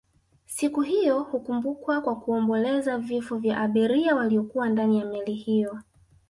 Siku hiyo hukumbukwa kwa kuomboleza vifo vya abiria waliokuwa ndani ya meli hiyo